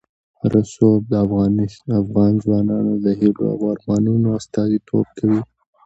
رسوب د افغان ځوانانو د هیلو او ارمانونو استازیتوب کوي.